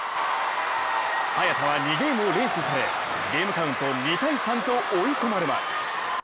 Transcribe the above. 早田は２ゲームを連取されゲームカウント２−３と追い込まれます。